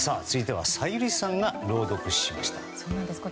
続いては小百合さんが朗読しました。